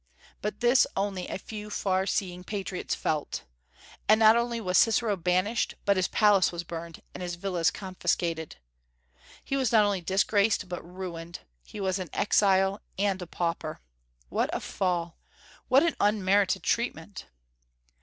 But this only a few far seeing patriots felt. And not only was Cicero banished, but his palace was burned and his villas confiscated. He was not only disgraced, but ruined; he was an exile and a pauper. What a fall! What an unmerited treatment!